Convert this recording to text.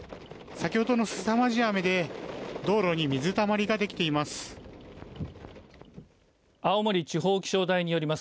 先ほどのすさまじい雨で道路に水たまりができています。